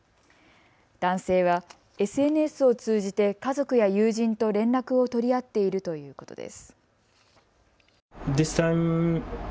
男性はＳＮＳを通じて家族や友人と連絡を取り合っているということです。